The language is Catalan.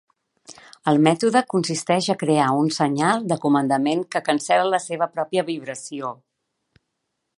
El mètode consisteix a crear un senyal de comandament que cancel·la la seva pròpia vibració.